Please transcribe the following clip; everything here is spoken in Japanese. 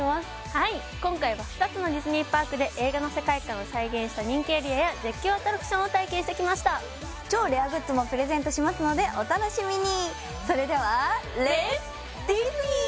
はい今回は２つのディズニーパークで映画の世界観を再現した人気エリアや絶叫アトラクションを体験してきました超レアグッズもプレゼントしますのでお楽しみにそれではレッツ・ディズニー！